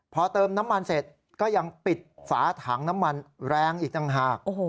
พอเติมน้ำมันเสร็จก็ยังปิดฝาถังน้ำมันแรงอีกต่างหาก